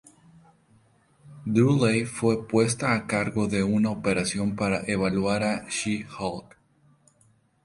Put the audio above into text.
Dooley fue puesta a cargo de una operación para evaluar a She-Hulk.